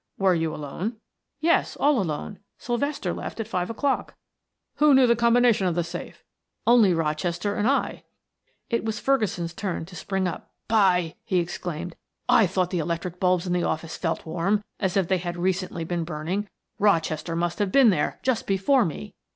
"Were you alone?" "Yes, all alone. Sylvester left at five o'clock" "Who knew the combination of the safe?" "Only Rochester and I." It was Ferguson's turn to spring up "By !" he exclaimed. "I thought the electric bulbs in the office felt warm, as if they had recently been burning Rochester must have been there just before me."